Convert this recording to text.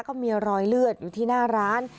ก็มีรอยเลือดอยู่ที่หน้าร้าน